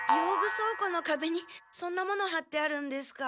そう庫のかべにそんなものはってあるんですか？